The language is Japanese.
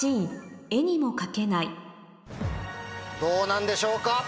どうなんでしょうか？